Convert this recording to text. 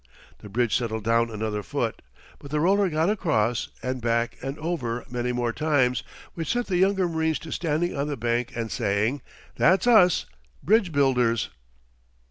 The bridge settled down another foot, but the roller got across, and back and over many more times; which set the younger marines to standing on the bank and saying: "That's us bridge builders!"